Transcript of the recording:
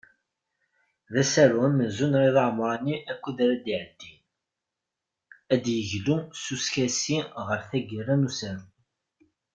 D asaru amenzu n Rida Amrani akked ara d-iɛeddin, ad d-yeglu s uskasi ɣer tagara n usaru.